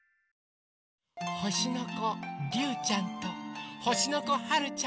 ほしのこりゅうちゃんとほしのこはるちゃん。